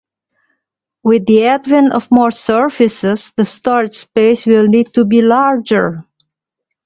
With the advent of more services, the storage space will need to be larger.